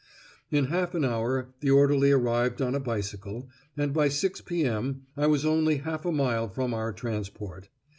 In half an hour the orderly arrived on a bicycle, and by 6.0 p.m. I was only half a mile from our transport.